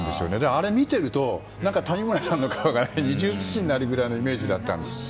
あれを見ていると谷村さんの顔が二重写しになるぐらいのイメージがあって。